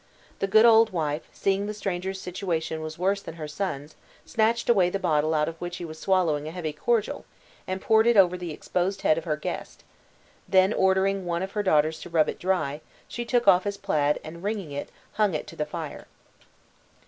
The good old wife, seeing the stranger's situation was worse than her son's snatched away the bottle out of which he was swallowing a heavy cordial, and poured it over the exposed head of her guest; then ordering one of her daughters to rub it dry, she took off his plaid, and wringing it, hung it to the fire.